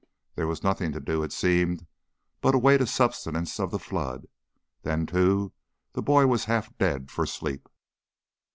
There was nothing to do, it seemed, but await a subsidence of the flood. Then, too, the boy was half dead for sleep.